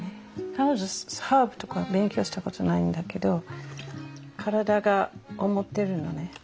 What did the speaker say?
彼女ハーブとか勉強したことないんだけど体が思ってるのね。